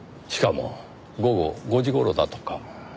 しかも午後５時頃だとか。